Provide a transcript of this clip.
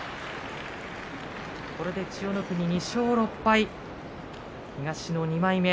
これで千代の国、２勝６敗東の２枚目。